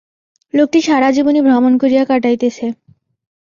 লোকটি সারা জীবনই ভ্রমণ করিয়া কাটাইতেছে।